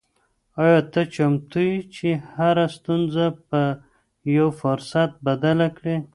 آیا ته چمتو یې چې هره ستونزه په یو فرصت بدله کړې؟